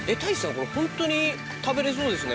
これホントに食べれそうですね